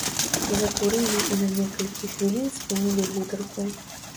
Закурылі і на некалькі хвілін спынілі гутарку.